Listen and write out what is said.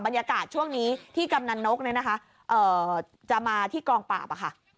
บรรยากาศช่วงนี้ที่กำนันนกจะมาที่กองปราบอะค่ะ